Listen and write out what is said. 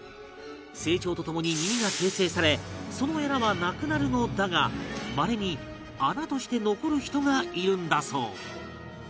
成長とともに耳が形成されそのエラはなくなるのだがまれに穴として残る人がいるんだそう